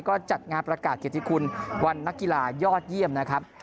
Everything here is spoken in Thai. ก็จัดงานประกาศเกียรติคุณวันนักกีฬายอดเยี่ยมนะครับ